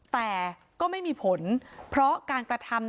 แต่ก็ไม่มีผลเพราะการกระทำ